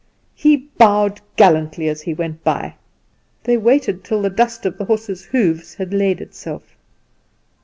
He bowed gallantly as he went by. They waited till the dust of the horse's hoofs had laid itself.